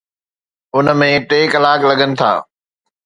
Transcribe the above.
ان ۾ ٽي ڪلاڪ لڳن ٿا.